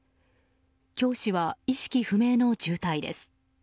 教師は意識不明の重体です。